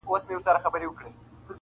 پلار ویل زویه دلته نر هغه سړی دی,